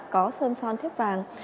có sơn son thiếp vàng